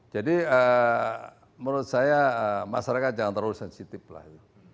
jadi menurut saya masyarakat jangan terlalu sensitif lah